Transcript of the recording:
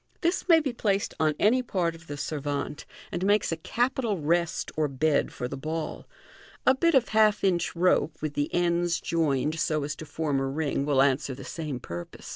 This may be placed on any part of the servante, and makes a capital rest or bed for the ball. A bit of half inch rope, with the ends joined so as to form a ring, will answer the sama purpose.